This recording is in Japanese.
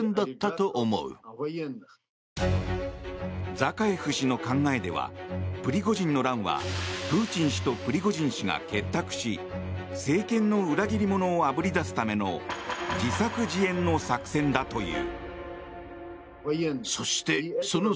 ザカエフ氏の考えではプリゴジンの乱はプーチン氏とプリゴジン氏が結託し政権の裏切り者をあぶり出すための自作自演の作戦だという。